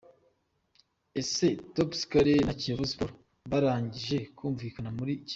Ese Topolcany na Kiyovu Sport barangije kumvikana buri kimwe?.